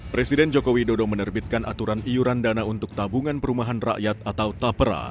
presiden joko widodo menerbitkan aturan iuran dana untuk tabungan perumahan rakyat atau tapera